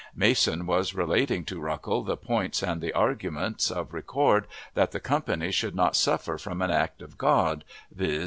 Mason was relating to Ruckel the points and the arguments of Ricord, that the company should not suffer from an act of God, viz.